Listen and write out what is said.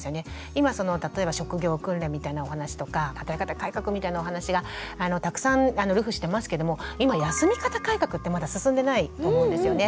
今その例えば職業訓練みたいなお話とか働き方改革みたいなお話がたくさん流布してますけども今「休み方改革」ってまだ進んでないと思うんですよね。